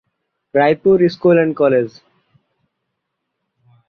Raipur school and college.